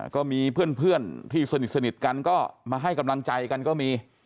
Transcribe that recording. ก็มีเพื่อนที่สนิทกันก็มาให้กำลังใจกันก็มี